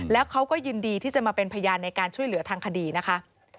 แล้วเขาก็ยินดีที่จะมาเป็นพยานในการช่วยเหลือทางคดีนะคะ